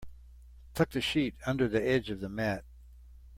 Tuck the sheet under the edge of the mat.